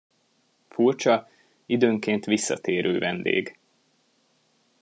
Furcsa, időnként visszatérő vendég.